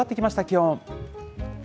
気温。